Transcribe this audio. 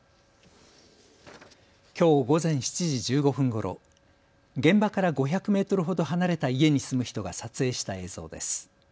きょう午前７時１５分ごろ、現場から５００メートルほど離れた家に住む人が撮影した映像です。